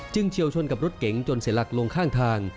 เฉียวชนกับรถเก๋งจนเสียหลักลงข้างทาง